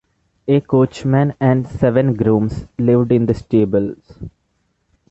A coachman and seven grooms lived in the stables.